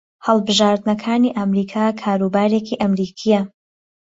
هەڵبژارنەکانی ئەمریکا کاروبارێکی ئەمریکییە